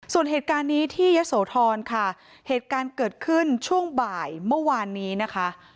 ส่วนเหตุการณ์นี้ที่ยะโสธรค่ะเหตุการณ์เกิดขึ้นช่วงบ่ายเมื่อวานนี้นะคะ